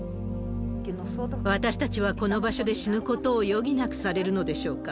私たちはこの場所で死ぬことを余儀なくされるのでしょうか。